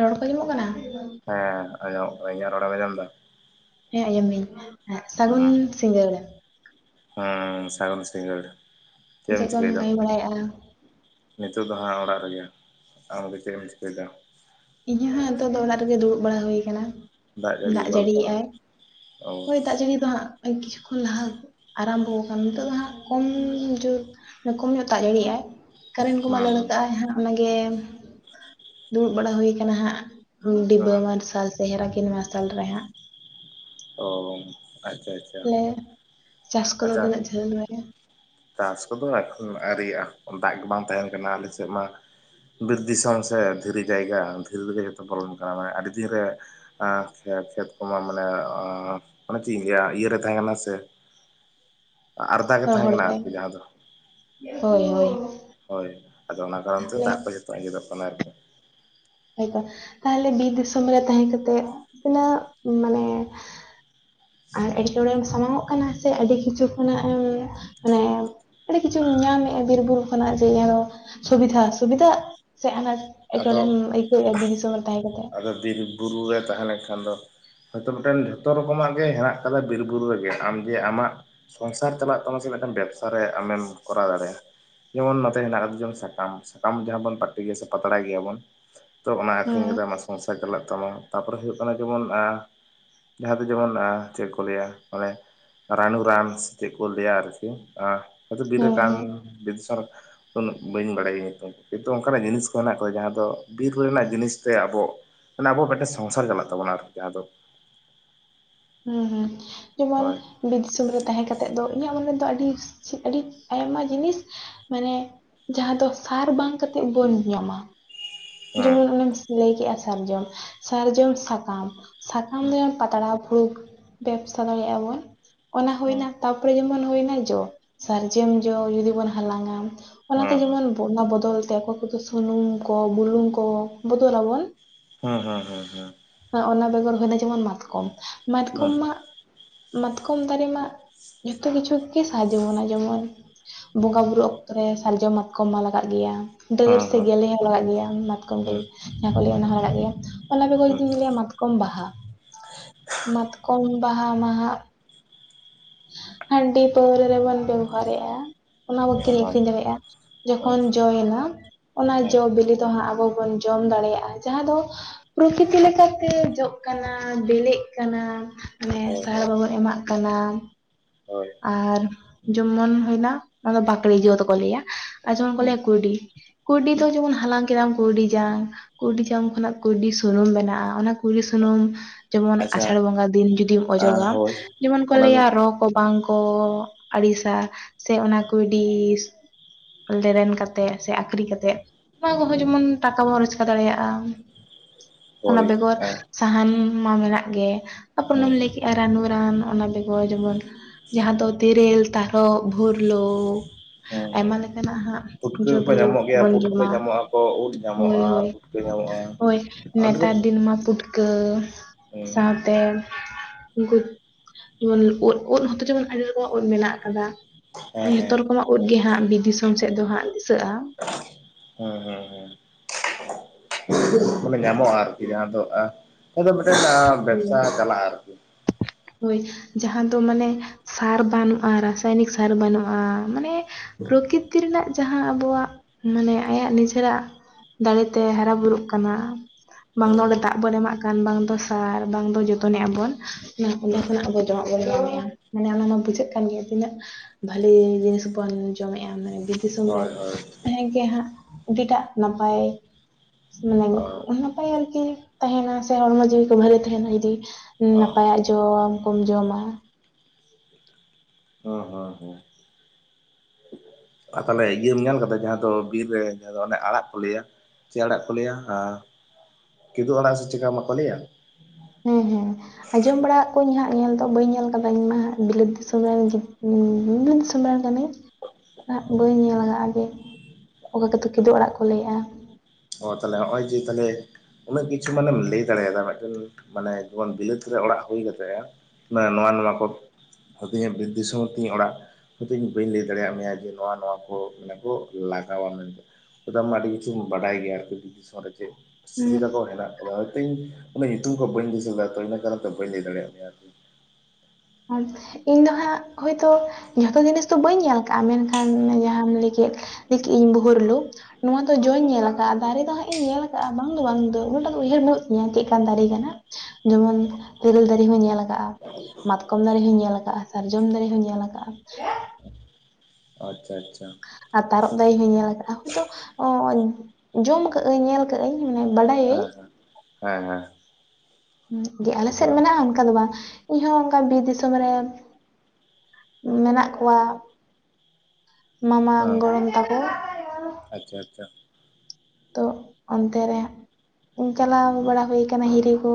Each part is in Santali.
ᱨᱚᱲ ᱠᱚ ᱟᱸᱢᱚᱜ ᱠᱟᱱᱟ? ᱦᱮᱸ ᱟᱸᱡᱚᱢᱚᱜ ᱠᱟᱱᱟ᱾ ᱤᱧᱟᱹᱜ ᱨᱚᱲ ᱮᱢ ᱟᱸᱡᱚᱢ ᱫᱟ? ᱦᱮᱸ ᱟᱸᱡᱚᱢ ᱫᱤᱧ᱾ ᱥᱟᱹᱜᱩᱱ ᱥᱤᱸᱜᱟᱹᱲ᱾ ᱦᱮᱸ ᱥᱟᱜᱚᱱ ᱥᱤᱸᱜᱟᱹᱲ᱾ ᱪᱮᱫ ᱮᱢ ᱠᱚᱢ ᱪᱤᱠᱟᱹᱭ ᱫᱟ? ᱠᱟᱹᱢᱤ ᱵᱟᱲᱟᱭᱮᱫᱼᱟ? ᱱᱤᱛᱚᱜ ᱫᱚ ᱦᱟᱸᱜ ᱚᱲᱟᱜ ᱨᱮᱜᱮ, ᱟᱢ ᱜᱮ ᱪᱮᱫ ᱮᱢ ᱪᱤᱠᱟᱹᱭᱫᱟ? ᱤᱧ ᱦᱚᱸ ᱱᱤᱛᱚᱜ ᱫᱚ ᱚᱲᱟᱜ ᱨᱮᱜᱮ ᱫᱩᱲᱩᱵ ᱵᱟᱲᱟ ᱦᱩᱭ ᱠᱟᱱᱟ᱾ ᱡᱟᱹᱲᱤ ᱫᱟᱜ ᱚᱠᱟ ᱡᱟᱹᱲᱤᱮᱟᱭ ᱞᱮᱠᱟ? ᱚ ᱦᱳᱭ ᱫᱟᱜ ᱡᱟᱹᱲᱤ ᱫᱚ ᱦᱟᱸᱜ ᱠᱤᱪᱷᱩ ᱠᱷᱚᱱ ᱞᱟᱦᱟ ᱟᱨᱟᱢᱵᱷᱚ ᱟᱠᱟᱱ ᱱᱤᱛᱚᱜ ᱫᱚ ᱦᱟᱸᱜ ᱠᱚᱢ ᱡᱳᱨ ᱢᱟᱱᱮ ᱠᱚᱢ ᱧᱚᱜ ᱫᱟᱜ ᱡᱟᱹᱲᱤᱮᱟᱭ᱾ ᱠᱟᱨᱮᱱ ᱠᱚᱢᱟ ᱦᱩᱸ ᱫᱟᱹᱲ ᱦᱩᱸ ᱠᱟᱜ-ᱟᱭ ᱦᱟᱸᱜ ᱚᱱᱟᱜᱮ ᱫᱩᱲᱩᱵ ᱵᱟᱲᱟ ᱦᱩᱭ ᱠᱟᱱᱟ ᱦᱟᱸᱜ᱾ ᱰᱤᱵᱟᱹ ᱦᱮᱸ ᱢᱟᱨᱥᱟᱞ ᱥᱮ ᱦᱮᱨᱟᱠᱤᱱ ᱢᱟᱨᱥᱟᱞ ᱨᱮ ᱦᱟᱸᱜ᱾ ᱚ ᱟᱪᱪᱷᱟ ᱟᱪᱪᱷᱟ᱾ ᱛᱟᱦᱚᱞᱮ ᱪᱟᱥ ᱠᱚᱫᱚ ᱟᱪᱪᱷᱟ ᱛᱤᱱᱟᱹᱜ ᱡᱷᱟᱹᱞ ᱨᱮ? ᱪᱟᱥ ᱠᱚᱫᱚ ᱮᱠᱷᱟᱱ ᱟᱹᱤᱭᱟᱜ-ᱟ ᱫᱟᱜ ᱜᱮ ᱵᱟᱝ ᱛᱟᱦᱮᱱ ᱠᱟᱱᱟ ᱟᱞᱮ ᱥᱮᱫ ᱢᱟ᱾ ᱵᱤᱨ ᱫᱤᱥᱚᱢ ᱥᱮ ᱫᱷᱤᱨᱤ ᱡᱟᱭᱜᱟ, ᱫᱷᱤᱨᱤ ᱨᱮᱜᱮ ᱡᱷᱚᱛᱚ ᱵᱚᱞᱚᱱ ᱠᱟᱱᱟ। ᱢᱟᱱᱮ ᱟᱹᱰᱤ ᱫᱤᱱ ᱨᱮ ᱟᱪᱪᱷᱟ ᱠᱷᱮᱛ ᱠᱚᱢᱟ ᱢᱟᱱᱮ ᱟᱸᱻ ᱢᱟᱱᱮ ᱪᱮᱫ ᱤᱧ ᱞᱟᱹᱭᱟ᱾ ᱤᱭᱟᱹ ᱨᱮ ᱛᱟᱦᱮᱸ ᱠᱟᱱᱟ ᱥᱮ? ᱟᱨᱫᱟ ᱜᱮ ᱛᱟᱦᱮᱸ ᱨᱚᱦᱚᱲ ᱠᱟᱱᱟ ᱨᱮ, ᱟᱨᱠᱤ ᱡᱟᱦᱟᱸ ᱫᱚ ᱦᱳᱭ ᱦᱳᱭ। ᱦᱳᱭ, ᱟᱫᱚ ᱚᱱᱟ ᱠᱟᱨᱚᱱ ᱛᱮ ᱛᱟᱦᱞᱮ ᱫᱟᱜ ᱠᱚ ᱡᱷᱚᱛᱚ ᱟᱸᱡᱮᱫᱚᱜ ᱠᱟᱱᱟ ᱟᱨᱠᱤ। ᱦᱳᱭᱛᱚ, ᱛᱟᱦᱟᱞᱮ ᱵᱤᱨ ᱫᱤᱥᱚᱢ ᱨᱮ ᱛᱟᱦᱮᱸ ᱠᱟᱛᱮᱜ ᱛᱤᱱᱟᱹᱜ ᱢᱟᱱᱮ ᱟᱨ ᱮᱴᱠᱮᱴᱚᱬᱮᱢ ᱥᱟᱢᱟᱝ ᱚᱜ ᱠᱟᱱᱟ, ᱥᱮ ᱟᱹᱰᱤ ᱠᱤᱪᱷᱩ ᱠᱷᱚᱱᱟᱜ ᱮᱢ ᱢᱟᱱᱮ ᱟᱹᱰᱤ ᱠᱤᱪᱷᱩᱢ ᱧᱟᱢᱮᱟ ᱵᱤᱨ ᱵᱩᱨᱩ ᱠᱷᱚᱱᱟᱜ। ᱡᱮ ᱮᱱᱨᱮᱦᱚᱸ ᱥᱩᱵᱤᱫᱷᱟ। ᱥᱩᱵᱤᱫᱷᱟ ᱥᱮ ᱟᱱᱟᱡ? ᱟᱫᱚ ᱮᱴᱠᱮᱴᱚᱦᱮᱢ ᱟᱹᱭᱠᱟᱹᱣᱮᱜ-ᱟ ᱵᱤᱨ ᱫᱤᱥᱚᱢ ᱨᱮ ᱛᱟᱦᱮᱸ ᱠᱟᱛᱮᱜ। ᱟᱫᱚ ᱵᱤᱨ ᱵᱩᱨᱩ ᱨᱮ ᱛᱟᱦᱮᱸ ᱞᱮᱠᱷᱟᱱ ᱫᱚ ᱦᱳᱭᱛᱚ ᱢᱤᱫᱴᱮᱱ ᱡᱷᱚᱛᱚ ᱨᱚᱠᱚᱢᱟᱜ ᱜᱮ ᱦᱮᱱᱟᱜ ᱟᱠᱟᱫᱟ ᱵᱤᱨ ᱵᱩᱨᱩ ᱨᱮᱜᱮ। ᱟᱢ ᱡᱮ ᱟᱢᱟᱜ ᱥᱚᱝᱥᱟᱨ ᱪᱟᱞᱟᱜ ᱛᱟᱢᱟ, ᱥᱮ ᱢᱤᱫᱴᱟᱱ ᱵᱮᱵᱽᱥᱟᱨᱮ ᱟᱢᱮᱢ ᱠᱚᱨᱟᱣ ᱫᱟᱲᱮᱭᱟᱜ-ᱟ। ᱡᱮᱢᱚᱱ ᱱᱚᱛᱮ ᱦᱮᱱᱟᱜ-ᱟ ᱥᱟᱨᱡᱚᱢ ᱥᱟᱠᱟᱢ᱾ ᱥᱟᱠᱟᱢ ᱡᱟᱦᱟᱸ ᱵᱚᱱ ᱯᱟᱹᱴᱤ ᱜᱮᱭᱟ ᱯᱟᱛᱲᱟᱭ ᱜᱮᱭᱟᱭᱵᱚᱱ। ᱛᱚ ᱚᱱᱟ ᱦᱮᱸ ᱟᱠᱷᱨᱤᱧ ᱠᱟᱛᱮ ᱟᱢᱟᱜ ᱥᱚᱝᱥᱟᱨ ᱪᱟᱞᱟᱜ ᱛᱟᱢᱟ। ᱛᱟᱯᱚᱨᱮ ᱦᱩᱭᱩᱜ ᱠᱟᱱᱟ ᱡᱮᱢᱚᱱ ᱟᱸ ᱡᱟᱦᱟᱸ ᱫᱚ ᱡᱮᱢᱚᱱ ᱟᱸ ᱪᱮᱫ ᱠᱚ ᱞᱟᱹᱭᱟ ᱚᱱᱮ ᱨᱟᱱᱩ ᱨᱟᱱ ᱥᱮ ᱪᱮᱫ ᱠᱚ ᱞᱟᱹᱭᱟ ᱟᱨᱠᱤ। ᱟᱻ ᱦᱚᱭᱛᱚ ᱦᱮᱸ ᱵᱤᱨᱟᱠᱟᱱ ᱦᱮᱸ ᱵᱤᱨ ᱫᱤᱥᱚᱢ, ᱩᱱᱟᱹᱜ ᱵᱟᱹᱧ ᱵᱟᱰᱟᱭᱟᱹᱧ ᱱᱤᱛᱚᱝ ᱠᱤᱱᱛᱩ ᱚᱱᱠᱟᱱᱟᱜ ᱡᱤᱱᱤᱥ ᱦᱮᱱᱟᱜ ᱠᱟᱫᱟ ᱡᱟᱦᱟᱸ ᱫᱚ ᱵᱤᱨ ᱨᱮᱱᱟᱜ ᱡᱤᱱᱤᱥ ᱛᱮ ᱟᱵᱚ ᱢᱟᱱᱮ ᱟᱵᱚ ᱢᱤᱫᱴᱮᱱ ᱥᱚᱝᱥᱟᱨ ᱪᱟᱞᱟᱜ ᱛᱟᱵᱚᱱᱟ ᱟᱨᱠᱤ ᱡᱟᱦᱟᱸ ᱫᱚ ᱾ ᱦᱩᱸ ᱦᱩᱸ, ᱡᱮᱢᱚᱱ ᱦᱳᱭ ᱵᱤᱨ ᱫᱤᱥᱚᱢ ᱨᱮ ᱛᱟᱦᱮᱸ ᱠᱟᱛᱮᱫ ᱫᱚ, ᱤᱧᱟᱹᱜ ᱢᱚᱱᱮ ᱫᱚ ᱟᱹᱰᱤ ᱟᱹᱰᱤ ᱟᱭᱢᱟ ᱡᱤᱱᱤᱥ ᱢᱟᱱᱮ ᱡᱟᱦᱟᱸ ᱫᱚ ᱥᱟᱨ ᱵᱟᱝ ᱠᱟᱛᱮᱜ ᱵᱚᱱ ᱧᱟᱢᱟ। ᱦᱮᱸ ᱡᱮᱢᱚᱱ ᱚᱱᱮᱢ ᱞᱟᱹᱭ ᱠᱮᱜ-ᱟ ᱥᱟᱨᱡᱚᱢ, ᱥᱟᱨᱡᱚᱢ ᱥᱟᱠᱟᱢ। ᱥᱟᱠᱟᱢ ᱫᱚ ᱦᱮᱸ ᱡᱮᱢᱚᱱ ᱯᱟᱛᱲᱟ ᱯᱷᱩᱲᱩᱜ ᱵᱮᱵᱥᱟ ᱫᱟᱲᱮᱭᱟᱜ-ᱟ ᱵᱚᱱ ᱚᱱᱟ ᱦᱮᱸ ᱦᱩᱭᱱᱟ। ᱛᱟᱯᱚᱨᱮ ᱡᱮᱢᱚᱱ ᱦᱩᱭᱱᱟ ᱡᱚ, ᱥᱟᱨᱡᱚᱢ ᱡᱚ ᱡᱩᱫᱤ ᱵᱚᱱ ᱦᱟᱞᱟᱝᱟ ᱚᱱᱟᱛᱮ ᱦᱮᱸ ᱦᱮᱸ ᱡᱮᱢᱚᱱ ᱚᱱᱟ ᱵᱚᱫᱚᱞ ᱛᱮ ᱚᱠᱚᱭ ᱠᱚᱫᱚ ᱥᱩᱱᱩᱢ ᱠᱚ, ᱵᱩᱞᱩᱝ ᱠᱚ, ᱵᱚᱫᱚᱞ ᱟᱵᱚᱱ। [inaudible] ᱦᱮᱸ ᱚᱱᱟ ᱵᱮᱜᱚᱨ ᱦᱩᱭᱱᱟ ᱡᱮᱢᱚᱱ ᱢᱟᱛᱠᱚᱢ, ᱢᱟᱛᱠᱚᱢ ᱢᱟ ᱢᱟᱛᱠᱚᱢ ᱫᱟᱨᱮ ᱢᱟ ᱡᱷᱚᱛᱚ ᱠᱤᱪᱷᱩ ᱛᱮ ᱥᱟᱦᱟᱡᱽᱡᱚ ᱵᱚᱱᱟ। ᱡᱮᱢᱚᱱ ᱵᱚᱸᱜᱟ ᱵᱩᱨᱩ ᱚᱠᱛᱚ ᱨᱮ ᱥᱟᱨᱡᱚᱢ ᱢᱟᱛᱠᱚᱢ ᱢᱟ ᱞᱟᱜᱟᱜ ᱜᱮᱭᱟ। ᱰᱟᱹᱨ ᱦᱮᱸ ᱥᱮ ᱦᱮᱸ ᱜᱮᱞᱮ ᱦᱚᱸ ᱞᱟᱜᱟᱜ ᱜᱮᱭᱟ। ᱢᱟᱛᱠᱚᱢ ᱰᱟᱹᱨ ᱡᱟᱦᱟᱸ ᱠᱚ ᱞᱟᱹᱭᱟ ᱚᱱᱟ ᱦᱚᱸ ᱞᱟᱜᱟᱜ ᱜᱮᱭᱟ। ᱚᱱᱟ ᱵᱮᱜᱚᱨ ᱦᱮᱸ ᱦᱮᱸ ᱡᱩᱫᱤᱧ ᱞᱟᱹᱭᱟ ᱢᱟᱛ ᱠᱚᱢ ᱵᱟᱦᱟ ᱢᱟᱛᱠᱚᱢ ᱵᱟᱦᱟ ᱢᱟᱦᱟᱸᱜ ᱦᱟᱺᱰᱤ ᱯᱟᱹᱣᱨᱟᱹ ᱨᱮᱵᱚᱱ ᱵᱮᱵᱚᱦᱟᱨᱮᱜ-ᱟ। ᱚᱱᱟ ᱵᱚᱱ ᱠᱤᱨᱤᱧ ᱟᱹᱠᱷᱨᱤᱧ ᱫᱟᱲᱮᱭᱟᱜ-ᱟ, ᱡᱚᱠᱷᱚᱱ ᱡᱚᱭᱮᱱ ᱚᱱᱟ ᱡᱚ ᱵᱤᱞᱤ ᱫᱚ ᱦᱟᱸᱜ ᱟᱵᱚ ᱵᱚᱱ ᱡᱚᱢ ᱫᱟᱲᱮᱭᱟᱜ-ᱟ, ᱡᱟᱦᱟᱸ ᱫᱚ ᱯᱨᱚᱠᱤᱛᱤ ᱞᱮᱠᱟᱛᱮ ᱡᱚᱜ ᱠᱟᱱᱟ ᱵᱮᱞᱮᱜ ᱠᱟᱱᱟ। ᱦᱮᱸ ᱦᱳᱭ ᱥᱟᱨ ᱦᱳᱭ ᱵᱟᱵᱚᱱ ᱮᱢᱟᱜ ᱠᱟᱱᱟ᱾ ᱦᱳᱭ᱾ ᱟᱨ ᱡᱮᱢᱚᱱ ᱦᱩᱭᱱᱟ ᱚᱱᱟ ᱫᱚ ᱵᱟᱠᱲᱮ ᱡᱚ ᱫᱚ ᱠᱚ ᱞᱟᱹᱭᱟ᱾ ᱟᱨ ᱡᱮᱢᱚᱱ ᱠᱚ ᱦᱩᱸ ᱞᱟᱹᱭᱟ ᱠᱩᱸᱭᱰᱤ, ᱠᱩᱸᱭᱰᱤ ᱫᱚ ᱦᱩᱸ ᱡᱮᱢᱚᱱ ᱦᱟᱞᱟᱝ ᱠᱮᱫᱟᱢ ᱠᱩᱸᱭᱰᱤ ᱡᱟᱝ᱾ ᱠᱩᱸᱭᱰᱤ ᱡᱟᱝ ᱠᱷᱚᱱᱟᱜ ᱠᱩᱸᱭᱰᱤ ᱥᱩᱱᱩᱢ ᱵᱮᱱᱟᱜ-ᱟ, ᱚᱱᱟ ᱠᱩᱸᱭᱰᱤ ᱥᱩᱱᱩᱢ, ᱡᱮᱢᱚᱱ ᱟᱪᱪᱷᱟ ᱟᱥᱟᱲ ᱵᱚᱸᱜᱟ ᱫᱤᱱ ᱡᱩᱫᱤᱢ ᱚᱡᱚᱜᱟ, ᱦᱳᱭ ᱡᱮᱢᱚᱱ ᱠᱚ ᱚᱱᱟ ᱫᱚ ᱞᱟᱹᱭᱟ ᱨᱚᱜᱽ ᱵᱟᱝᱠᱚᱻ ᱟᱹᱲᱤᱥᱟ, ᱥᱮ ᱚᱱᱟ ᱠᱩᱸᱭᱰᱤ ᱞᱮᱨᱮᱱ ᱠᱟᱛᱮᱫ ᱥᱮ ᱟᱠᱷᱨᱤᱧ ᱠᱟᱛᱮᱫ ᱚᱱᱟ ᱠᱚᱦᱚᱸ ᱡᱮᱢᱚᱱ ᱴᱟᱠᱟ ᱵᱚᱱ ᱨᱳᱡᱽᱠᱟᱨ ᱫᱟᱲᱮᱭᱟᱜ-ᱟ᱾ ᱚᱱᱟ ᱦᱳᱭ ᱵᱮᱜᱚᱨ ᱦᱮᱸ ᱥᱟᱦᱟᱱ ᱢᱟ ᱢᱮᱱᱟᱜ ᱜᱮ᱾ ᱛᱟᱯᱚᱨ ᱦᱮᱸ ᱚᱱᱮᱢ ᱞᱟᱹᱭ ᱠᱮᱜ-ᱟ ᱨᱟᱱᱩ ᱨᱟᱱ ᱚᱱᱟ ᱵᱮᱜᱚᱨ ᱡᱮᱢᱚᱱ ᱡᱟᱦᱟᱸ ᱫᱚ ᱛᱮᱨᱮᱞ, ᱛᱟᱨᱚᱵᱽ ᱵᱷᱩᱨᱞᱩ᱾ ᱦᱮᱸ ᱟᱭᱢᱟ ᱞᱮᱠᱟᱱᱟᱜ ᱦᱟᱸᱜ ᱡᱚ ᱯᱩᱴᱠᱟᱹ ᱵᱤᱞᱤ ᱧᱟᱢᱚᱜ ᱠᱚ ᱜᱮᱭᱟ ᱵᱚᱱ ᱯᱩᱴᱠᱟᱹ ᱡᱚᱢᱟ᱾ ᱧᱟᱢᱚᱜ ᱟᱠᱚ ᱩᱫ ᱦᱳᱭ ᱧᱟᱢᱚᱜᱼᱟ ᱦᱳᱭ। ᱯᱩᱴᱠᱟᱹ ᱧᱟᱢᱚᱜᱼᱟ ᱦᱳᱭ, ᱟᱹᱰᱤ ᱱᱮᱛᱟᱨ ᱨᱚᱠᱚᱢ ᱫᱤᱱ ᱢᱟ ᱯᱩᱴ ᱠᱟᱹ ᱦᱮᱸ ᱥᱟᱶᱛᱮ ᱩᱱᱠᱩ ᱡᱮᱢᱚᱱ ᱩᱫ, ᱩᱫ ᱦᱚᱸᱛᱚ ᱡᱮᱢᱚᱱ ᱟᱹᱰᱤ ᱨᱚᱠᱚᱢᱟᱜ ᱩᱫ ᱢᱮᱱᱟᱜ ᱟᱠᱟᱫᱟ᱾ ᱦᱮᱸ ᱡᱷᱚᱛᱚ ᱨᱚᱠᱚᱢᱟᱜ ᱩᱫ ᱜᱮ ᱦᱟᱸᱜ ᱵᱤᱨ ᱫᱤᱥᱚᱢ ᱥᱮᱫ ᱫᱚ ᱦᱟᱸᱜ ᱫᱤᱥᱟᱹᱜᱼᱟ᱾ [inaudible] ᱦᱩᱸ ᱦᱩᱸ ᱦᱩᱸ ᱾ ᱢᱟᱱᱮ ᱧᱟᱢᱚᱜᱼᱟ ᱟᱨᱠᱤ ᱡᱟᱦᱟᱸ ᱫᱚ ᱟ ᱟᱫᱚ ᱢᱮᱫᱴᱮᱱ ᱦᱮᱸ ᱵᱮᱵᱽᱥᱟ ᱪᱟᱞᱟᱜ-ᱟ ᱟᱨ ᱦᱳᱭ ᱡᱟᱦᱟᱸ ᱫᱚ ᱢᱟᱱᱮ ᱥᱟᱨ ᱵᱟᱹᱱᱩᱜ-ᱟ ᱨᱟᱥᱟᱭᱱᱤᱠ ᱥᱟᱨ ᱵᱟᱹᱱᱩᱜ-ᱟ ᱢᱟᱱᱮ ᱯᱨᱚᱠᱤᱛᱤ ᱨᱮᱱᱟᱜ ᱡᱟᱦᱟᱸ ᱟᱵᱚᱣᱟᱜ ᱢᱟᱱᱮ ᱟᱭᱟᱜ ᱱᱤᱡᱮᱨᱟᱜ ᱫᱟᱲᱮᱛᱮ ᱦᱟᱨᱟ ᱵᱩᱨᱩᱜ ᱠᱟᱱᱟ᱾ ᱵᱟᱝ ᱫᱚ ᱚᱸᱰᱮ ᱫᱟᱜ ᱦᱮᱸ ᱵᱚᱱ ᱮᱢᱟᱜ ᱠᱟᱱ ᱵᱟᱝ ᱫᱚ ᱥᱟᱨ ᱵᱟᱝ ᱫᱚ ᱡᱚᱛᱚᱱᱮᱜ-ᱟ ᱵᱚᱱ, ᱚᱱᱟ ᱚᱸᱰᱮ ᱦᱮᱸ ᱠᱷᱚᱱᱟᱜ ᱟᱵᱚ ᱡᱚᱢᱟᱜ ᱵᱚ ᱧᱟᱢᱮᱼᱟ, ᱢᱟᱱᱮ ᱚᱱᱟ ᱢᱟ ᱵᱩᱡᱷᱟᱹᱜ ᱠᱟᱱ ᱜᱮᱭᱟ ᱛᱤᱱᱟᱹᱜ ᱵᱷᱟᱞᱤ ᱡᱤᱱᱤᱥ ᱵᱚᱱ ᱡᱚᱢᱮᱜᱼᱟ ᱢᱟᱱᱮ ᱵᱤᱨ ᱫᱤᱥᱚᱢ ᱨᱮ ᱦᱳᱭ ᱦᱳᱭ ᱦᱮᱸᱜᱮ ᱦᱟᱸᱜ ᱟᱹᱰᱤᱴᱟᱜ ᱱᱟᱯᱟᱭ ᱢᱟᱱᱮ ᱚ ᱱᱟᱯᱟᱭ ᱟᱨᱠᱤ ᱛᱟᱦᱮᱱᱟ, ᱥᱮ ᱦᱚᱲᱢᱚ ᱡᱤᱣᱤ ᱠᱚ ᱵᱷᱟᱞᱤ ᱛᱟᱦᱮᱸᱱᱟ ᱡᱩᱫᱤ ᱚ ᱱᱟᱯ ᱟᱡᱚᱢ ᱠᱚᱢ ᱡᱚᱢᱟ᱾ ᱦᱚᱸ ᱦᱚᱸ ᱦᱚᱸ᱾ [inaudible] ᱟᱨ ᱛᱟᱦᱞᱮ ᱤᱭᱟᱹᱢ ᱧᱮᱞ ᱠᱟᱫᱟ ᱡᱟᱦᱟᱸ ᱫᱚ ᱵᱤᱨ ᱨᱮ ᱡᱟᱦᱟᱸ ᱫᱚ ᱚᱱᱮ ᱟᱲᱟᱜ ᱠᱚ ᱞᱟᱹᱭᱟ, ᱪᱮᱜ ᱟᱲᱟᱜ ᱠᱚ ᱞᱟᱹᱭᱟ ᱟ, ᱠᱤᱫᱩᱵ ᱟᱲᱟᱜ ᱥᱮ ᱪᱮᱠᱟ ᱢᱟᱠᱚ ᱞᱟᱹᱭᱟ? ᱦᱩᱸ ᱦᱩᱸ᱾ ᱟᱸᱡᱚᱢ ᱵᱟᱲᱟ ᱠᱩᱣᱟᱹᱧ ᱦᱟᱸᱜ ᱧᱮᱞ ᱫᱚ ᱵᱟᱹᱧ ᱧᱮᱞ ᱠᱟᱫᱟ ᱤᱧ ᱢᱟ ᱦᱟᱸᱜ ᱵᱤᱞᱟᱹᱛ ᱫᱤᱥᱚᱢ ᱨᱮᱱ ᱜᱤᱫ [unintelligible] ᱥᱢᱟᱲ ᱠᱟᱹᱢᱤᱜ ᱵᱟᱹᱧ ᱧᱮᱞ ᱟᱠᱟᱟᱜᱼᱟ ᱡᱮ ᱚᱠᱟ ᱠᱚ ᱫᱚ ᱠᱤᱫᱩ ᱚᱲᱟᱜ ᱠᱚ ᱞᱟᱹᱭᱮᱜᱼᱟ [unintelligible] ᱚ ᱛᱟᱦᱞᱮ ᱦᱚᱜ-ᱚᱭ ᱡᱮ ᱛᱟᱦᱞᱮ ᱩᱱᱟᱹᱜ ᱠᱤᱪᱷᱩ ᱢᱟᱱᱮᱢ ᱞᱟᱹᱭ ᱫᱟᱲᱮᱭᱟᱫᱟ ᱢᱤᱫᱴᱮᱱ ᱢᱟᱱᱮ ᱡᱮᱢᱚᱱ ᱵᱤᱞᱟᱹᱛ ᱨᱮ ᱚᱲᱟᱜ ᱦᱩᱭ ᱠᱟᱛᱮᱜ᱾ ᱢᱟᱱᱮ ᱱᱚᱣᱟ ᱱᱚᱣᱟ ᱠᱚ ᱢᱤᱛᱟᱹᱧᱟ ᱵᱤᱨ ᱫᱤᱥᱚᱢ ᱛᱤᱧ ᱚᱲᱟᱜ᱾ ᱦᱳᱭᱛᱚ ᱤᱧ ᱵᱟᱹᱧ ᱞᱟᱹᱭ ᱫᱟᱲᱮᱭᱟᱜ ᱢᱮᱭᱟ ᱡᱮ ᱱᱚᱣᱟ ᱱᱚᱣᱟ ᱠᱚ ᱢᱟᱱᱮ ᱠᱚ ᱞᱟᱜᱟᱣᱟ ᱢᱮᱱᱛᱮ, [inaudible] ᱟᱹᱰᱤ ᱠᱤᱪᱷᱩᱢ ᱵᱟᱰᱟᱭ ᱜᱮᱭᱟ ᱟᱨᱠᱤ ᱵᱤᱨ ᱫᱤᱥᱚᱢ ᱨᱮ ᱪᱮᱫ ᱩᱸ ᱥᱩᱵᱤᱫᱟ ᱠᱚ ᱦᱮᱱᱟᱜ᱾ ᱟᱫᱚ ᱦᱚᱭᱛᱮᱧ ᱚᱱᱮ ᱧᱩᱛᱩᱢ ᱠᱚ ᱵᱟᱹᱧ ᱫᱤᱥᱟᱹᱭᱫᱟ ᱛᱚ ᱤᱱᱟᱹ ᱠᱟᱨᱚᱱ ᱛᱮ ᱵᱟᱹᱧ ᱞᱟᱹᱭ ᱫᱟᱲᱮᱭᱟᱜ ᱢᱮᱭᱟ ᱾ ᱤᱧ ᱫᱚ ᱦᱟᱸᱜ ᱦᱳᱭᱛᱳ ᱡᱷᱚᱛᱚ ᱡᱤᱱᱤᱥ ᱫᱚ ᱵᱟᱹᱧ ᱧᱮᱞ ᱠᱟᱜᱼᱟ ᱢᱮᱱᱠᱷᱟᱱ ᱡᱟᱦᱟᱸᱢ ᱞᱟᱭ ᱠᱮᱜ ᱤᱧ ᱵᱳᱦᱩᱨᱞᱳ ᱾ ᱱᱚᱣᱟ ᱫᱚ ᱡᱚᱧ ᱧᱮᱞ ᱟᱠᱟᱜᱼᱟ ᱫᱟᱨᱮ ᱫᱚ ᱦᱟᱸᱜ ᱤᱧ ᱧᱮᱞ ᱟᱠᱟᱜ-ᱟ ᱵᱟᱝ ᱫᱚ ᱵᱟᱝ ᱫᱚ ᱩᱱᱟᱹᱴᱟᱜ ᱫᱚ ᱩᱭᱦᱟᱹᱨ ᱵᱟᱹᱱᱩᱜ ᱛᱤᱧᱟᱹ ᱪᱮᱫ ᱠᱟᱱ ᱫᱟᱨᱮ ᱠᱟᱱᱟ᱾ ᱡᱮᱢᱚᱱ ᱛᱮᱹᱨᱮᱹᱞ ᱫᱟᱨᱮ ᱦᱚᱸᱧ ᱧᱮᱞ ᱟᱠᱟᱜᱼᱟ, ᱢᱟᱛᱠᱚᱢ ᱫᱟᱨᱮ ᱦᱚᱸᱧ ᱧᱮᱞ ᱠᱟᱜᱼᱟ ᱥᱟᱨᱡᱚᱢ ᱫᱟᱨᱮ ᱦᱚᱸᱧ ᱧᱮᱞ ᱟᱠᱟᱜᱼᱟ ᱾ ᱟᱪᱪᱷᱟ ᱟᱪᱪᱷᱟ ᱟᱨ ᱛᱟᱨᱚᱵᱽ ᱫᱟᱨᱮ ᱦᱚᱸᱧ ᱧᱮᱞ ᱟᱠᱟᱜᱼᱟ ᱦᱚᱭᱛᱚ-ᱚ, ᱡᱚᱢ ᱠᱟᱹᱜᱟᱹᱧ ᱧᱮᱞ ᱠᱟᱹᱜ ᱟᱹᱧ ᱢᱟᱱᱮ ᱵᱟᱰᱟᱭᱟᱹᱧ ᱦᱮᱸ ᱦᱮᱸ ᱦᱮᱸ ᱾ ᱜᱮ ᱟᱞᱮ ᱥᱮᱫ ᱢᱮᱱᱟᱜ-ᱟ ᱚᱱᱠᱟ ᱫᱚ ᱵᱟᱝ ᱤᱧᱦᱚᱸ ᱚᱱᱠᱟ ᱵᱤᱨ ᱫᱤᱥᱚᱢ ᱨᱮ ᱢᱮᱱᱟᱜ ᱠᱚᱣᱟ ᱢᱟᱢᱟ ᱦᱮᱸ ᱜᱚᱲᱚᱢ ᱛᱟᱠᱚ᱾ ᱟᱪᱪᱷᱟ ᱟᱪᱪᱷᱟ ᱛᱚ ᱚᱱᱛᱮ ᱨᱮ ᱪᱟᱞᱟᱣ ᱦᱮᱸ ᱵᱟᱲᱟ ᱦᱩᱭ ᱠᱟᱱᱟ ᱦᱤᱨᱤ ᱠᱚ᱾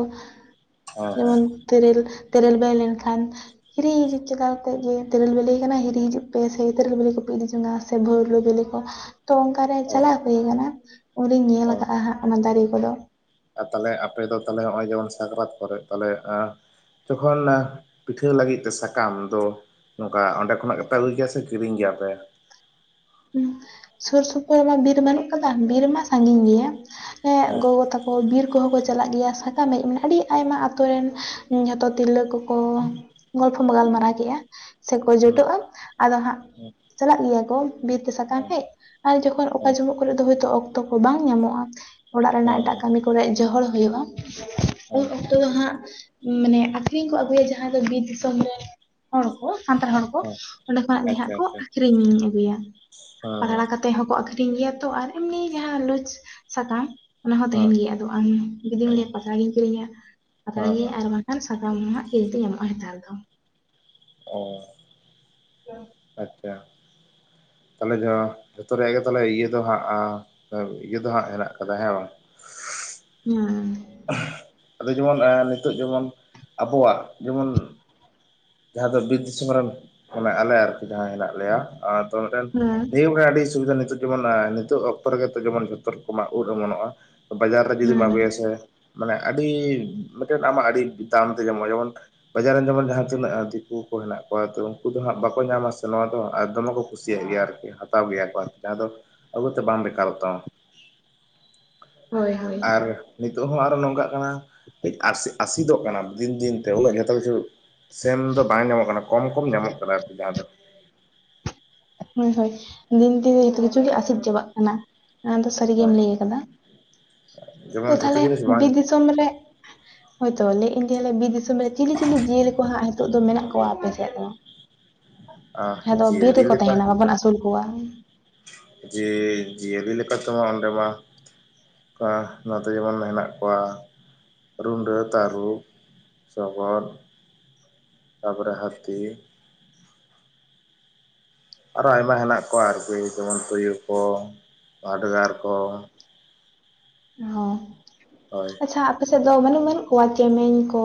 ᱦᱮᱸ ᱦᱮᱸ ᱡᱮᱢᱚᱱ ᱛᱮᱹᱨᱮᱹᱞ ᱛᱮᱹᱨᱮᱹᱞ ᱵᱮᱞᱮ ᱞᱮᱱᱠᱷᱟᱱ, ᱦᱤᱨᱤ ᱦᱤᱨᱤ ᱪᱟᱞᱟᱣ ᱟᱛᱮᱫ ᱜᱮ ᱛᱮᱨᱮᱞ ᱵᱮᱞᱮ ᱟᱠᱟᱱᱟ ᱦᱤᱨᱤ ᱦᱤᱡᱩᱜ ᱯᱮ ᱥᱮ ᱛᱮᱨᱮᱞ ᱵᱮᱞᱮ ᱠᱚᱯᱮ ᱤᱫᱤ ᱡᱚᱝᱟ᱾ ᱥᱮ ᱵᱷᱚᱣᱨᱚ ᱵᱤᱞᱤ ᱠᱚ ᱛᱚ ᱚᱝᱠᱟᱨᱮ ᱚ ᱪᱟᱞᱟᱜ ᱦᱩᱭ ᱠᱟᱱᱟ ᱾ ᱚᱰᱮᱧ ᱧᱮᱞ ᱚ ᱠᱟᱜ-ᱟ ᱦᱟᱸᱜ ᱚᱱᱟ ᱫᱟᱨᱤ ᱠᱚᱫᱚ᱾ ᱟᱨ ᱛᱟᱦᱞᱮ ᱟᱯᱮ ᱫᱚ ᱛᱟᱦᱞᱮ ᱱᱚᱜᱼᱚᱭ ᱡᱮᱢᱚᱱ ᱥᱟᱠᱨᱟᱛ ᱠᱚᱨᱮᱜ ᱛᱟᱞᱮ ᱟᱸ ᱡᱚᱠᱷᱚᱱ ᱚᱱᱟ ᱯᱤᱴᱷᱟᱹ ᱞᱟᱹᱜᱤᱫ ᱛᱮ ᱥᱟᱠᱟᱢ ᱫᱚ ᱾ ᱱᱚᱝᱠᱟ ᱚᱸᱰᱮ ᱠᱷᱚᱱᱟᱜ ᱜᱮᱯᱮ ᱟᱹᱜᱩᱭ ᱜᱮᱭᱟ ᱥᱮ ᱠᱤᱨᱤᱧ ᱜᱮᱭᱟᱯᱮ? ᱩᱸ ᱥᱩᱨ ᱥᱩᱯᱩᱨ ᱢᱟ ᱵᱤᱨ ᱵᱟᱹᱱᱩᱜ ᱠᱟᱫᱟ, ᱵᱤᱨ ᱢᱟ ᱥᱟᱹᱜᱤᱧ ᱜᱮᱭᱟ, ᱮᱸ ᱦᱮᱸ ᱜᱚᱜᱚ ᱛᱟᱠᱚ ᱵᱤᱨ ᱠᱚᱦᱚᱸ ᱠᱚ ᱪᱟᱞᱟᱜ ᱜᱮᱭᱟ ᱥᱟᱠᱟᱢ ᱦᱮᱡ ᱢᱟᱱᱮ ᱟᱹᱰᱤ ᱟᱭᱢᱟ ᱟᱹᱛᱳ ᱨᱮᱱ ᱡᱷᱚᱛᱚ ᱛᱤᱨᱞᱟᱹ ᱠᱚᱠᱚ ᱜᱚᱞᱯᱷᱚ ᱵᱟ ᱜᱟᱞᱢᱟᱨᱟᱣ ᱠᱮᱜᱼᱟ ᱥᱮᱠᱚ ᱦᱩᱸ ᱡᱩᱴᱚᱜᱼᱟ ᱟᱫᱚ ᱦᱟᱸᱜ ᱦᱩᱸ ᱪᱟᱞᱟᱜ ᱜᱮᱭᱟ ᱠᱚ᱾ ᱵᱤᱨ ᱛᱮ ᱥᱟᱠᱟᱢ ᱟᱪᱪᱷᱟ ᱦᱮᱡ ᱟᱨ ᱡᱚᱠᱷᱚᱱ ᱟᱪᱪᱷᱟ ᱦᱮᱸ ᱚᱠᱟ ᱡᱚᱦᱚᱜ ᱠᱚᱨᱮᱜ ᱫᱚ ᱦᱚᱭᱛᱳ ᱚᱠᱛᱚ ᱠᱚ ᱵᱟᱝ ᱧᱟᱢᱚᱜᱼᱟ᱾ ᱚᱲᱟᱜ ᱨᱮᱱᱟᱜ ᱮᱴᱟᱜ ᱠᱟᱹᱢᱤ ᱠᱚᱨᱮᱜ ᱡᱚᱦᱚᱲ ᱦᱩᱭᱩᱜ-ᱟ ᱩᱱ ᱦᱮᱸ ᱦᱮᱸ ᱚᱠᱛᱚ ᱫᱚ ᱦᱟᱸᱜ ᱢᱟᱱᱮ ᱟᱠᱷᱨᱤᱧ ᱠᱚ ᱟᱹᱜᱩᱭᱟ ᱡᱟᱦᱟᱸ ᱫᱚ ᱵᱤᱨ ᱫᱤᱥᱚᱢ ᱨᱮᱱ ᱦᱚᱲ ᱠᱚ ᱥᱟᱱᱛᱟᱲ ᱦᱚᱲ ᱠᱚ᱾ ᱚᱸᱰᱮ ᱠᱷᱚᱱᱟᱜ ᱜᱮ ᱦᱟᱸᱜ ᱠᱚ ᱟᱹᱠᱷᱨᱤᱧ ᱟᱹᱜᱩᱭᱟ᱾ ᱯᱟᱛᱲᱟ ᱠᱟᱛᱮᱫ ᱦᱚᱸᱠᱚ ᱟᱠᱷᱨᱤᱧ ᱜᱮᱭᱟ ᱛᱚ ᱟᱨ ᱮᱢᱱᱤ ᱡᱟᱦᱟᱸ ᱞᱩᱡᱽ- ᱥᱟᱠᱟᱢ ᱚᱱᱟ ᱦᱚᱸᱛᱟᱦᱮᱦᱱ ᱜᱮᱭᱟ ᱟᱫᱚ ᱟᱢ ᱜᱤᱫᱤᱧ ᱞᱟᱹᱭᱟ ᱦᱮᱸ ᱯᱟᱛᱲᱟ ᱜᱤᱧ ᱠᱤᱨᱤᱧᱟ ᱯᱟᱛᱲᱟ ᱜᱮ ᱦᱮᱸ ᱟᱨ ᱵᱟᱝᱠᱷᱟᱱ ᱥᱟᱠᱟᱢ ᱦᱮᱡ ᱨᱮᱱᱟᱜ ᱠᱷᱮᱹᱞᱛᱮ ᱧᱟᱢᱚᱜ-ᱟ ᱱᱮᱛᱟᱨ ᱫᱚ᱾ ᱚ᱾ ᱚ᱾ ᱟᱪᱪᱷᱟ᱾ ᱛᱟᱦᱞᱮ ᱡᱚᱛᱚ ᱨᱮᱭᱟᱜ ᱜᱮ ᱛᱟᱦᱮ ᱤᱭᱟᱹ ᱫᱚ ᱦᱟᱸᱜ ᱤᱭᱟᱹ ᱫᱚ ᱦᱟᱸᱜ ᱦᱮᱱᱟᱜ ᱟᱠᱟᱫᱟ ᱦᱮᱸ ᱵᱟᱝ? [unintelligible] ᱟᱫᱚ ᱡᱮᱢᱚᱱ, ᱱᱤᱛᱷᱜ ᱡᱮᱢᱚᱱ ᱟᱵᱚᱣᱟᱜ ᱡᱮᱢᱚᱱ ᱡᱟᱦᱟᱸ ᱫᱚ ᱵᱤᱨ ᱫᱤᱥᱚᱢ ᱨᱮᱱ ᱢᱟᱱᱮ ᱟᱞᱮ ᱟᱨᱠᱤ ᱡᱟᱦᱟᱸ ᱦᱮᱱᱟᱜ ᱞᱮᱭᱟ᱾ ᱦᱩᱸ ᱱᱤᱭᱟᱹ ᱟᱹᱰᱤ ᱥᱩᱵᱤᱫᱷᱟ ᱱᱤᱛᱳᱜ ᱡᱮᱢᱚᱱ, ᱱᱤᱛᱳᱤᱜ ᱚᱠᱛᱚ ᱨᱮ ᱜᱮ ᱡᱮᱢᱚᱱ ᱡᱷᱚᱛᱚ ᱨᱚᱠᱚᱢᱟᱜ ᱩᱨ ᱮᱢᱚᱱᱚᱜ-ᱟ᱾ ᱵᱟᱡᱟᱨ ᱨᱮ ᱡᱩᱫᱤᱢ ᱦᱩᱸ ᱟᱹᱜᱩᱭᱟ ᱥᱮ ᱢᱟᱱᱮ ᱟᱹᱰᱤ ᱢᱤᱫ ᱴᱮᱱ ᱟᱢᱟᱜ ᱟᱹᱰᱤ ᱫᱟᱢ ᱛᱮ ᱧᱟᱢᱚᱜ-ᱟ ᱡᱮᱢᱚᱱ- ᱵᱟᱡᱟᱨ ᱨᱮᱱ ᱡᱮᱢᱚᱱ ᱡᱟᱦᱟᱸ ᱛᱤᱱᱟᱹᱜ ᱫᱤᱠᱩ ᱠᱚ ᱦᱮᱱᱟᱜ ᱠᱚᱣᱟ ᱛᱚ ᱩᱱᱠᱩ ᱫᱚ ᱦᱟᱜ ᱵᱟᱠᱚ ᱧᱟᱢᱟ ᱥᱮ ᱱᱚᱣᱟ ᱫᱚ ᱟᱨ ᱫᱚᱢᱮ ᱠᱚ ᱠᱩᱥᱤᱭᱟᱜ ᱜᱮᱭᱟ ᱟᱨ ᱠᱚ ᱦᱟᱛᱟᱣ ᱜᱮᱭᱟ ᱠᱚ ᱡᱟᱦᱟᱸ ᱫᱚ ᱟᱹᱜᱚᱛ ᱛᱮ ᱵᱟᱝᱢ ᱵᱮᱠᱟᱨᱚᱜ ᱛᱟᱢ᱾ ᱦᱳᱭ ᱦᱳᱭ ᱟᱨ ᱱᱤᱛᱚᱜ ᱦᱚᱸ ᱟᱨ ᱱᱚᱝᱠᱟᱜ ᱠᱟᱱᱟ ᱠᱟᱹ ᱟᱥ ᱟᱥᱤᱫᱚᱜ ᱠᱟᱱᱟ ᱫᱤᱱ ᱫᱤᱱᱛᱮ ᱩᱱᱟᱹᱜ ᱡᱷᱚᱛᱚ ᱠᱤᱪᱷᱩ ᱥᱮᱢ ᱫᱚ ᱵᱟᱝ ᱧᱟᱢᱚᱜ ᱠᱟᱱᱟ ᱠᱚᱢ ᱠᱚᱢ ᱧᱟᱢᱚᱜ ᱠᱟᱱᱟ ᱟᱨᱠᱤ ᱡᱟᱦᱟᱸ ᱫᱚ᱾ ᱦᱳᱭ ᱦᱳᱭ ᱫᱤᱱ ᱫᱤᱱ ᱡᱚ ᱠᱤᱪᱷᱩ ᱜᱮ ᱟᱥᱤᱫ ᱪᱟᱵᱟᱜ ᱠᱟᱱᱟ᱾ ᱱᱚᱣᱟ ᱫᱚ ᱥᱟᱹᱨᱤᱜᱮᱢ ᱦᱮᱸ ᱞᱟᱹᱭ ᱟᱠᱟᱫᱟ, ᱛᱚ ᱡᱮᱢᱚᱱ ᱡᱷᱚᱛᱚ ᱛᱟᱦᱞᱮ ᱡᱤᱱᱤᱥ ᱵᱟᱝ ᱵᱤᱨ ᱫᱤᱥᱚᱢ ᱨᱮ ᱦᱳᱭᱛᱳ ᱞᱟᱹᱭᱮᱫ ᱟᱹᱧ ᱞᱭᱟᱞᱮ ᱵᱤᱨ ᱫᱤᱥᱚᱢ ᱨᱮ ᱪᱤᱞᱤ ᱪᱤᱞᱤ ᱡᱤᱭᱟᱹᱞᱤ ᱠᱚ ᱦᱟᱸᱜ ᱱᱤᱛᱚᱜ ᱫᱚ ᱢᱮᱱᱟᱜ ᱠᱚᱣᱟ ᱟᱯᱮ ᱥᱮᱫ ᱫᱚ᱾ ᱟᱸ ᱦᱮᱸ ᱫᱚ ᱵᱤᱨ ᱡᱤᱭᱟᱹᱞᱤ ᱨᱮᱠᱚ ᱞᱮᱠᱟ ᱛᱟᱸᱦᱮᱱᱟ ᱵᱟᱵᱚᱱ ᱟᱹᱥᱩᱞ ᱠᱚᱣᱟ᱾ ᱡᱮ, ᱡᱤᱭᱟᱹᱞᱤ ᱞᱮᱠᱟ ᱛᱮᱢᱟ ᱚᱸᱰᱮ ᱢᱟ ᱦᱮᱸ, ᱚᱱᱠᱟ ᱱᱚᱛ ᱡᱮᱢᱚᱱ ᱦᱮᱱᱟᱜ ᱠᱚᱣᱟ ᱨᱩᱸᱰᱟᱹ ᱛᱟᱹᱨᱩᱵ ᱥᱚᱜᱚᱛ᱾ ᱛᱟᱯᱚᱨᱮ ᱦᱟᱹᱛᱤ᱾ ᱟᱨ ᱟᱭᱢᱟ ᱦᱮᱱᱟᱜ ᱠᱚᱣᱟ ᱟᱨᱠᱤ ᱡᱮᱢᱚᱱ ᱛᱩᱭᱩ ᱠᱚ, ᱵᱷᱟᱰᱜᱟᱨ ᱠᱚ, ᱦᱳᱭ᱾ ᱦᱮᱸ, ᱟᱯᱮ ᱥᱮᱫ ᱫᱚ ᱢᱟᱱᱮ ᱵᱟᱹᱱᱩᱜ, ᱵᱟᱹᱱᱩᱜ ᱠᱚᱣᱟ ᱪᱮᱢᱮᱧ ᱠᱚ,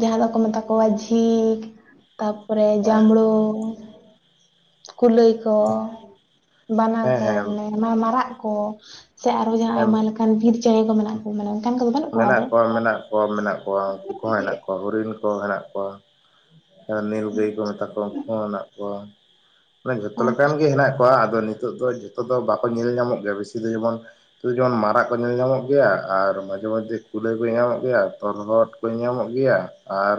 ᱡᱟᱦᱟᱸ ᱫᱚ ᱠᱚ ᱢᱮᱛᱟ ᱠᱚᱣᱟ ᱡᱷᱤᱞ᱾ ᱛᱟᱯᱚ ᱨᱮ ᱦᱮᱸ ᱡᱟᱸᱵᱢᱲᱩ ᱠᱩᱞᱟᱹᱭ ᱛᱚ ᱵᱟᱱᱟ ᱦᱮᱸ ᱠᱚ ᱦᱮᱸ ᱢᱟᱱᱮ ᱢᱟᱨᱟᱜ ᱠᱚ ᱥᱮ ᱟᱨ ᱦᱚ ᱦᱮᱸ ᱟᱭᱢᱟ ᱞᱮᱠᱟ ᱮᱠᱷᱟᱱ ᱵᱷᱤᱨ ᱪᱮᱬᱮ ᱠᱚ ᱢᱮᱱᱟᱜ ᱠᱚ ᱢᱟᱱᱮ ᱚᱱᱠᱟᱱ ᱠᱚᱫᱚ ᱵᱟᱹᱱᱩᱜ ᱟᱫᱚ ᱢᱮᱱᱟᱜ ᱠᱚᱣᱟ ᱢᱮᱱᱟᱜ ᱠᱚᱣᱟ ᱢᱮᱱᱟᱜ ᱠᱚᱣᱟ ᱩᱱᱠᱩ ᱠᱚ ᱦᱚᱸ ᱦᱮᱱᱟᱜ ᱠᱚᱣᱟ ᱦᱚᱨᱤᱱ ᱢᱮᱱᱟᱜ ᱠᱚᱣᱟ ᱱᱤᱞ ᱜᱟᱹᱭ ᱠᱚ ᱢᱮᱛᱟ ᱠᱚᱣᱟ ᱩᱱᱠᱩ ᱦᱚ ᱦᱮᱱᱟᱜ ᱠᱚᱣᱟ᱾ ᱢᱟᱱᱮ ᱡᱷᱚᱛᱚ ᱚ ᱞᱮᱠᱟᱱ ᱜᱮ ᱦᱮᱱᱟᱜ ᱠᱚᱣᱟ ᱟᱫᱚ ᱱᱤᱛ ᱱᱤᱛᱚᱜ ᱫᱚ ᱡᱷᱚᱛᱚ ᱫᱚ ᱵᱟᱠᱚ ᱧᱮᱞ ᱧᱟᱢᱚᱜ ᱜᱮᱭᱟ ᱵᱤᱥᱤ ᱫᱚ ᱢᱟᱨᱟᱜ ᱠᱚ ᱧᱮᱞ ᱧᱟᱢᱚᱜ ᱜᱮᱭᱟ ᱟᱨ ᱢᱟᱡᱷᱮ ᱢᱟᱚᱫᱡᱷᱮ ᱠᱩᱞᱟᱹᱭ ᱠᱚ ᱧᱟᱢᱚᱜ ᱜᱮᱭᱟ ᱛᱚᱞᱦᱚᱫ ᱠᱚ ᱧᱟᱢᱚᱜ ᱜᱮᱭᱟ ᱟᱨ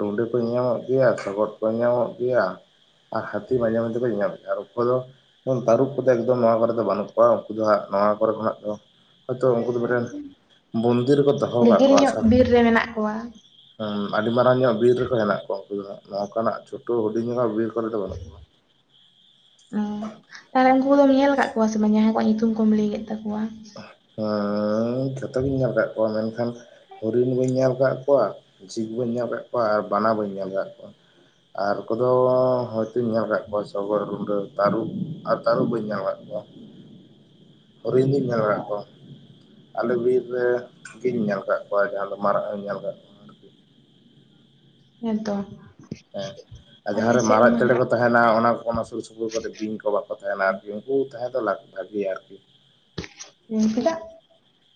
ᱨᱩᱰᱤ ᱠᱚ ᱧᱟᱢᱚᱜ ᱜᱮᱭᱟ ᱥᱚᱜᱚᱫ ᱠᱚ ᱧᱟᱢᱚᱜ ᱜᱮᱭᱟ᱾ ᱟᱨ ᱦᱚᱛᱤ ᱢᱟᱡᱮ ᱢᱟᱡᱮ ᱠᱚ ᱧᱟᱢ ᱟᱨ ᱫᱚ ᱡᱚᱱ ᱛᱟᱹᱨᱩᱯ ᱠᱚ ᱫᱚ ᱮᱠᱫᱚᱢ ᱱᱚᱣᱟ ᱠᱚ ᱨᱮ ᱫᱚ ᱵᱟᱹᱱᱩᱜ ᱠᱚᱣᱟ ᱩᱱᱠᱩ ᱫᱚ ᱦᱟᱸᱜ ᱱᱚᱣᱟ ᱠᱚ ᱨᱮ ᱠᱷᱚᱱᱟᱜ ᱫᱚ ᱛᱚ ᱩᱱᱠᱩ ᱫᱚ ᱢᱟᱱᱮ ᱵᱚᱱᱫᱤᱨ ᱨᱮᱠᱚ ᱫᱚᱦᱚ ᱠᱟᱜ ᱜᱟᱹᱦᱤᱨ ᱠᱚᱣᱟ ᱧᱚᱜ ᱟᱪᱟ ᱵᱤᱨ ᱨᱮ ᱢᱮᱱᱟᱜ ᱠᱚᱣᱟ ᱟᱹᱰᱤ ᱢᱟᱨᱟᱝ ᱧᱚᱜ ᱵᱤᱨ ᱨᱮ ᱠᱚ ᱦᱮᱱᱟᱜ ᱩᱱᱠᱩ ᱫᱚ ᱦᱟᱜ ᱱᱚᱝᱠᱟᱱᱟᱜ ᱪᱷᱳᱴᱳ ᱦᱩᱰᱤᱧᱚᱜ ᱵᱤᱨ ᱠᱚᱨᱮᱫ ᱫᱚ ᱵᱟᱹᱱᱩᱜ ᱠᱚᱣᱟ᱾ [inaudible] ᱛᱟᱦᱚᱞᱮ ᱩᱱᱠᱩ ᱫᱚᱢ ᱧᱮᱞ ᱟᱠᱟᱫ ᱠᱚᱣᱟ ᱥᱮ ᱵᱟᱝ ᱡᱟᱦᱟᱸ ᱠᱚᱣᱟᱜ ᱧᱩᱛᱩᱢ ᱠᱚᱢ ᱞᱟᱹᱭ ᱠᱮᱫ ᱛᱟᱠᱩᱣᱟ᱾ ᱦᱮᱸ ᱡᱷᱚᱛᱚ ᱜᱤᱧ ᱧᱮᱞ ᱠᱟᱜ ᱠᱚᱣᱟ ᱢᱮᱱᱠᱷᱟᱱ ᱦᱚᱨᱤᱱ ᱵᱟᱹᱧ ᱧᱮᱞ ᱟᱠᱟᱫ ᱠᱚᱣᱟ ᱡᱷᱤᱠ ᱵᱟᱹᱧ ᱧᱮᱞ ᱟᱠᱟᱫ ᱠᱚᱣᱟ ᱟᱨ ᱵᱟᱱᱟ ᱵᱟᱹᱧ ᱧᱮᱞ ᱟᱠᱟᱫ ᱠᱚᱣᱟ᱾ ᱟᱨ ᱠᱚᱫᱚ ᱦᱚᱭᱛᱚᱧ ᱧᱮᱞ ᱟᱠᱟᱫ ᱠᱚᱣᱟ ᱥᱚᱜᱚᱨ ᱨᱩᱸᱰᱟᱹ ᱛᱟᱹᱨᱩᱵ ᱟᱨ ᱛᱟᱹᱨᱩᱵ ᱵᱟᱹᱧ ᱧᱮ ᱟᱠᱟᱫ ᱠᱚᱣᱟ᱾ [inaudible] ᱦᱩᱨᱤᱱ ᱧᱮᱞ ᱠᱟᱫ ᱠᱚᱣᱟ ᱟᱞᱮ ᱵᱤᱨ ᱨᱮ ᱜᱤᱧ ᱧᱮᱞ ᱠᱟᱜ ᱠᱚᱣᱟ ᱡᱟᱦᱟᱸ ᱫᱚ ᱢᱟᱨᱟᱜ ᱦᱚᱧ ᱧᱮᱞ ᱠᱟᱫ ᱦᱮᱸ ᱛᱚ ᱦᱮᱸ ᱟᱨ ᱡᱟᱦᱟᱸ ᱨᱮ ᱢᱟᱨᱟᱜ ᱪᱮᱬᱮ ᱠᱚ ᱛᱟᱦᱮ ᱛᱟᱦᱮᱸᱱᱟ ᱚᱱᱟ ᱠᱚ ᱚᱱᱟ ᱥᱩᱨ ᱥᱩᱯᱩᱨ ᱠᱚᱨᱮ ᱵᱤᱧ ᱠᱚ ᱵᱟᱠᱚ ᱛᱟᱦᱮᱱᱟ ᱟᱨᱠᱤ ᱩᱱᱠᱩ ᱛᱟᱦᱮᱸ ᱫᱚ ᱞᱟᱠ ᱵᱷᱟᱜᱤᱭᱟ ᱟᱨᱠᱤ ᱦᱮᱸ ᱪᱮᱫᱟᱜ?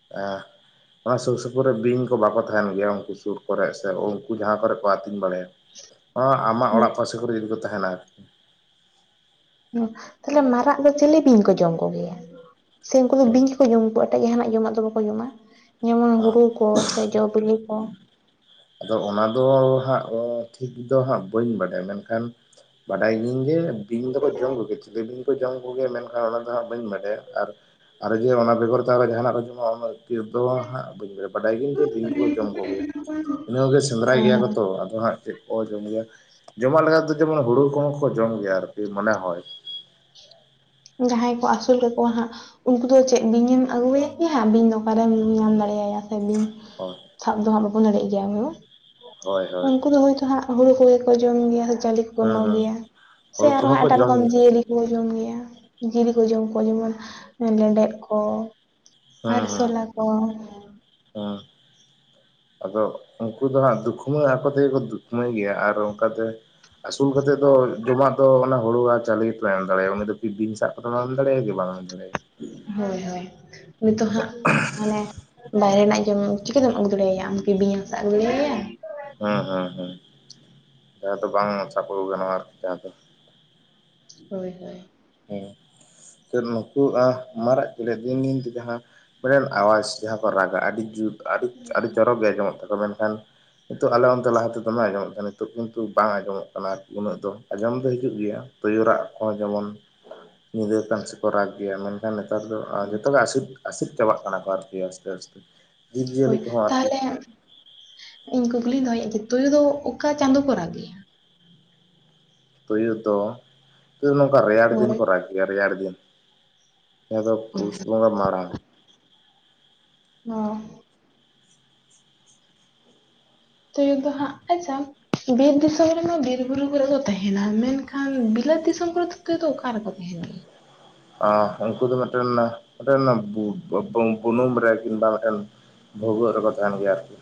[unintelligible] ᱚᱱᱟ ᱥᱩᱨ ᱥᱩᱯᱩᱨ ᱨᱮ ᱵᱤᱧ ᱠᱚ ᱵᱟᱠᱚ ᱛᱟᱦᱮᱱ ᱜᱮᱭᱟ ᱩᱱᱠᱩ ᱥᱩᱨ ᱠᱚᱨᱮᱜ ᱥᱮ ᱩᱱᱠᱩ ᱡᱟᱦᱟᱸ ᱠᱚᱨᱮ ᱠᱚ ᱟᱹᱛᱤᱧ ᱵᱟᱲᱟᱭᱟ᱾ ᱚᱸ ᱟᱢᱟᱜ ᱩᱸ, ᱚᱲᱟᱜ ᱯᱟᱥᱮ ᱠᱚᱨᱮ ᱡᱩᱫᱤ ᱠᱚ ᱛᱟᱦᱮᱸᱱᱟ᱾ ᱚᱸ ᱛᱟᱞᱦᱮ ᱢᱟᱨᱟᱜ ᱫᱚ ᱪᱟᱞᱤ ᱵᱤᱧ ᱠᱚ ᱡᱚᱢ ᱠᱚᱜᱮᱭᱟ? ᱥᱮ ᱩᱱᱠᱩ ᱫᱚ ᱵᱤᱧ ᱠᱩ ᱡᱚᱢ ᱠᱚ ᱟᱛᱮᱜ ᱡᱟᱦᱟᱱᱟᱜ ᱡᱚᱢᱟᱜ ᱫᱚ ᱵᱟᱠᱚ ᱡᱚᱢᱟ ᱡᱮᱢᱚᱱ ᱦᱩᱲᱩ ᱠᱚ ᱥᱮ ᱡᱚ ᱵᱤᱞᱤ ᱠᱚ ᱟᱫᱚ ᱚᱱᱟ ᱫᱚ ᱦᱟᱸᱜ ᱚᱸ ᱴᱷᱤᱠ ᱫᱚ ᱦᱟᱸᱜ ᱵᱟᱹᱧ ᱵᱟᱰᱟᱭᱟ ᱢᱮᱱᱠᱷᱟᱱ ᱵᱟᱰᱟᱭ ᱜᱮᱭᱟᱹᱧ ᱡᱮ ᱵᱤᱧ ᱫᱚᱠᱚ ᱡᱚᱢ ᱠᱚᱜᱮᱭᱟ ᱪᱤᱞᱤ ᱵᱤᱧ ᱠᱚ ᱡᱚᱢ ᱠᱚᱜᱮᱭᱟ ᱢᱮᱱᱠᱷᱟᱱ ᱚᱱᱟ ᱫᱚ ᱦᱟᱸᱜ ᱵᱟᱹᱧ ᱵᱟᱰᱟᱭᱟ ᱟᱨ ᱟᱨ ᱡᱮ ᱚᱱᱟ ᱵᱮᱜᱚᱨ ᱛᱮ ᱟᱨᱚ ᱡᱟᱦᱟᱱᱟᱜ ᱠᱚ ᱡᱚᱢᱼᱟ ᱩᱱᱟᱹᱜ ᱵᱷᱤᱛᱤᱨ ᱫᱚ ᱦᱟᱸᱜ ᱵᱟᱹᱧ ᱞᱟᱹᱭᱟ ᱵᱟᱰᱟᱭ ᱜᱤᱭᱟᱹᱧ ᱡᱮ ᱵᱤᱧ ᱠᱚ ᱡᱚᱢ ᱠᱚ ᱜᱮᱭᱟ ᱤᱱᱟᱹ ᱠᱚᱜᱮ ᱥᱮᱸᱫᱽᱨᱟᱭ ᱜᱮᱭᱟ ᱠᱚ ᱛᱚ ᱟᱫᱚ ᱦᱟᱸᱜ ᱪᱮᱫ ᱠᱚ ᱡᱚᱢ ᱜᱮᱭᱟ ᱮᱢᱟ ᱞᱮᱠᱟ ᱫᱚ ᱡᱮᱢᱚᱱ ᱦᱩᱲᱩ ᱠᱚᱦᱚᱸ ᱠᱚ ᱡᱚᱢ ᱜᱮᱭᱟ ᱟᱨᱠᱤ ᱢᱚᱱᱮ ᱦᱚᱭ ᱡᱟᱦᱟᱸᱭ ᱠᱚ ᱟᱹᱥᱩᱞ ᱠᱟᱠᱚᱣᱟ ᱦᱟᱸᱜ ᱩᱱᱠᱩ ᱫᱚ ᱪᱮᱫ ᱵᱤᱧ ᱮᱢ ᱟᱹᱜᱩᱣᱟᱭᱟ ᱠᱤ ᱦᱟᱸᱜ ᱵᱤᱧ ᱫᱚ ᱚᱠᱟ ᱨᱮᱢ ᱧᱟᱢ ᱫᱟᱲᱮᱭᱟᱭᱟ ᱥᱮ ᱵᱤᱧ ᱦᱚᱭ ᱥᱟᱵ ᱫᱚᱦᱚ ᱵᱟᱵᱚᱱ ᱫᱟᱲᱮᱜ ᱜᱮᱭᱟ ᱩᱸ ᱦᱳᱭ ᱦᱳᱭ ᱩᱱᱠᱩ ᱫᱚ ᱦᱳᱭᱛᱳ ᱦᱟᱸᱜ ᱦᱩᱲᱩ ᱠᱚᱜᱮ ᱠᱚ ᱡᱚᱢ ᱜᱮᱭᱟ ᱥᱮ ᱠᱚ ᱦᱩᱸ ᱠᱚᱢᱚ ᱦᱩᱸ ᱜᱮᱭᱟ ᱥᱮ ᱦᱩᱲᱩ ᱠᱚᱦᱚᱸ ᱟᱨᱦᱚᱸ ᱠᱚ ᱮᱴᱟᱜ ᱡᱚᱢ ᱨᱚᱠᱚᱢ ᱜᱮᱭᱟ ᱡᱤᱭᱟᱹᱞᱤ ᱱᱮ ᱡᱚᱢ ᱜᱮᱭᱟ ᱡᱤᱞ ᱠᱚ ᱡᱚᱢ ᱠᱚᱣᱟ ᱡᱮᱢᱚᱱ ᱞᱮᱸᱰᱮᱫ ᱠᱚ ᱦᱮᱸ ᱦᱮᱸ ᱟᱨᱥᱚᱞᱟ ᱠᱚ ᱦᱮᱸ ᱟᱫᱚ ᱩᱱᱠᱩ ᱫᱚ ᱦᱟᱸᱜ ᱫᱩᱠᱷᱢᱟᱹ ᱟᱠᱚ ᱛᱮᱜᱮ ᱠᱚ ᱫᱩᱠᱷᱢᱟᱹ ᱜᱮᱭᱟ ᱟᱨ ᱚᱱᱠᱟᱛᱮ ᱟᱹᱥᱩᱞ ᱠᱟᱛᱮᱫ ᱫᱚ ᱡᱚᱢᱟᱜ ᱫᱚ ᱚᱱᱟ ᱦᱩᱲᱩᱣᱟ ᱪᱟᱹᱞᱤ ᱜᱮᱠᱚ ᱮᱢ ᱫᱟᱲᱮᱭᱟᱜᱼᱟ ᱩᱱᱤ ᱫᱚ ᱵᱤᱼᱵᱤᱧ ᱥᱟᱜ ᱠᱚᱫᱚ ᱵᱟᱢ ᱮᱢ ᱫᱟᱲᱮᱭᱟᱜᱼᱟ ᱜᱤ ᱵᱟᱢ ᱮᱢ ᱫᱟᱲᱮᱭᱟᱜᱼᱟ᱾ ᱦᱳᱭ ᱦᱳᱭ, ᱱᱤᱛᱚᱜ ᱦᱟᱸᱜ ᱢᱟᱱᱮ ᱵᱟᱭᱨᱮ ᱨᱮᱱᱟᱜ ᱡᱚᱢ ᱩᱪᱤᱛ᱾ ᱪᱤᱠᱟᱹ ᱛᱮᱢ ᱟᱹᱜᱩ ᱫᱟᱲᱮᱭᱟ ᱟᱢ ᱠᱤ ᱵᱤᱧ ᱮᱢ ᱥᱟᱵ ᱟᱹᱜᱩ ᱫᱟᱲᱮᱭᱟᱭᱟ᱾ ᱦᱩᱸ ᱦᱮᱸ ᱦᱮ, ᱸ ᱡᱟᱦᱟᱸ ᱫᱚ ᱵᱟᱝ ᱥᱟᱯᱚᱣ ᱜᱟᱱᱚᱜᱼᱟ ᱟᱨᱠᱤ ᱡᱟᱦᱟᱸ ᱫᱚ ᱦᱳᱭ ᱦᱳᱭ᱾ ᱦᱮᱸ ᱱᱩᱠᱩ ᱟ ᱢᱟᱨᱟᱜ ᱠᱩᱞᱮ ᱫᱤᱱ ᱫᱤᱱ ᱛᱮ ᱡᱟᱸᱦᱟᱸ ᱢᱤᱫᱴᱮᱱ ᱟᱣᱟᱡᱪ ᱡᱟᱦᱟᱸ ᱠᱚ ᱨᱟᱜᱟ ᱟᱹᱰᱤ ᱡᱩᱛ ᱟᱹᱰᱤ ᱟᱹᱰᱤ ᱪᱚᱨᱚᱠ ᱜᱮ ᱟᱸᱡᱚᱢᱚᱜ ᱛᱟᱠᱚᱣᱟ ᱢᱮᱱᱠᱷᱟᱱ, ᱱᱤᱛᱚᱜ ᱟᱞᱮ ᱚᱱᱛᱮ ᱞᱟᱦᱟ ᱛᱮ ᱫᱚᱢᱮ ᱟᱸᱡᱚᱢᱚᱜ ᱛᱟᱦᱮᱸᱱᱟ ᱱᱤᱛᱚᱜ ᱠᱤᱱᱛᱩ ᱵᱟᱝ ᱟᱸᱡᱚᱢᱚᱜ ᱠᱟᱱᱟ ᱩᱱᱟᱹᱜ ᱫᱚ᱾ ᱟᱸᱡᱚᱢ ᱫᱚ ᱦᱤᱡᱩᱜ ᱜᱮᱭᱟ ᱛᱩᱭᱩ ᱨᱟᱜ ᱠᱚ ᱡᱮᱢᱚᱱ, ᱧᱤᱫᱟᱹ ᱠᱟᱱ ᱥᱮ ᱠᱚ ᱨᱟᱜᱽ ᱜᱮᱭᱟ ᱢᱮᱱᱠᱷᱟᱱ ᱱᱮᱛᱟᱨ ᱫᱚ ᱟᱸ ᱡᱚᱛᱚ ᱜᱮ ᱟᱥᱤᱠ, ᱟᱥᱤᱠ ᱪᱟᱵᱟᱜ ᱠᱟᱱᱟ ᱠᱚ ᱟᱨᱠᱤ ᱟᱥᱛᱮ ᱟᱥᱛᱮ ᱡᱤᱵᱽ ᱡᱤᱭᱟᱹᱞᱤ ᱦᱳᱭ ᱠᱚᱦᱚᱸ ᱟᱨᱠᱤ, ᱛᱟᱦᱚᱞᱮ ᱤᱧ ᱠᱩᱠᱞᱤᱧ ᱫᱚᱦᱚᱭᱮᱜᱼᱟ ᱡᱮ ᱛᱩᱭᱩ ᱫᱚ ᱚᱠᱟ ᱪᱟᱸᱫᱳ ᱠᱚ ᱨᱟᱜ ᱜᱮᱭᱟ? ᱛᱩᱭᱩ ᱫᱚ ᱛᱩᱭᱩ ᱱᱚᱝᱠᱟ ᱨᱮᱭᱟᱲ ᱫᱤᱱ ᱦᱳᱭ ᱠᱚ ᱨᱟᱜ ᱜᱮᱭᱟ ᱨᱮᱭᱟᱲ ᱫᱤᱱ, ᱡᱟᱦᱟᱸ ᱫᱚ ᱯᱩᱥ ᱵᱚᱸᱜᱟ ᱢᱟᱨᱟᱝ᱾ ᱚᱸ, ᱛᱩᱭᱩ ᱫᱚ ᱦᱟᱸᱜ ᱟᱪᱪᱷᱟ, ᱵᱤᱨ ᱫᱤᱥᱚᱢ ᱨᱮᱢᱟ ᱵᱤᱨ ᱵᱩᱨᱩ ᱠᱚᱨᱮ ᱠᱚ ᱛᱟᱦᱮᱱᱟ ᱢᱮᱱᱠᱷᱟᱱ ᱵᱤᱞᱟᱹᱛ ᱫᱤᱥᱚᱢ ᱠᱚᱨᱮ ᱫᱚ? ᱛᱮ ᱫᱚ ᱚᱠᱟ ᱨᱮᱠᱚ ᱛᱟᱦᱮᱸᱱ ᱜᱮᱭᱟ? ᱟᱸ ᱩᱱᱠᱩ ᱫᱚ ᱢᱤᱫᱴᱮᱱ ᱢᱤᱫᱴᱮᱱ ᱵᱩ ᱵᱩᱱᱩᱢ ᱨᱮ, ᱠᱤᱝᱵᱟ ᱢᱤᱫᱴᱮᱱ ᱵᱷᱩᱜᱟᱹᱜ ᱨᱮᱠᱚ ᱛᱟᱦᱮᱱ ᱜᱮᱭᱟ ᱟᱨᱠᱤ᱾